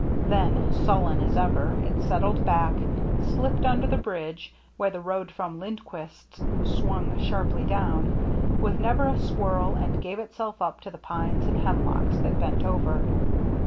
Then, sullen as ever, it settled back, slipped under the bridge — where the road from Lindquist's swung sharply down — with never a swirl, and gave itself up to the pines and hemlocks that bent over.